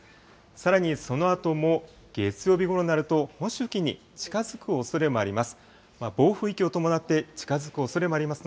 さらにそのあとも、月曜日ごろになると、本州付近に近づくおそれもあります。